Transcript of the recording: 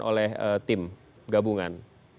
oleh tim gabungan